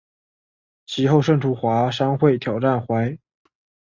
其后胜出华商会挑战杯以及在董事杯跑获亚军。